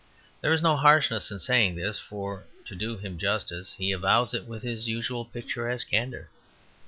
There is no harshness in saying this, for, to do him justice, he avows it with his usual picturesque candour.